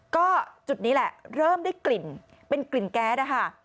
ก็จุดนี้แหละเริ่มได้กลิ่นเป็นกลิ่นแก๊สนะคะ